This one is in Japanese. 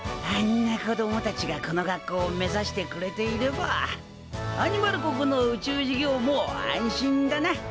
あんな子供たちがこの学校を目指してくれていればアニマル国の宇宙事業も安心だな。